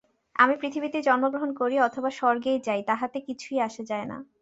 আমি পৃথিবীতেই জন্মগ্রহণ করি অথবা স্বর্গেই যাই, তাহাতে কিছুই আসে যায় না।